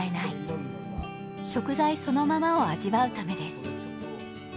食材そのままを味わうためです。